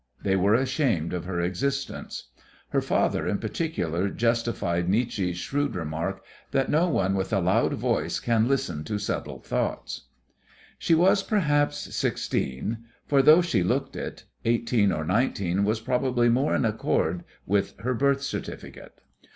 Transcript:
They were ashamed of her existence. Her father in particular justified Nietzsche's shrewd remark that no one with a loud voice can listen to subtle thoughts. She was, perhaps, sixteen for, though she looked it, eighteen or nineteen was probably more in accord with her birth certificate.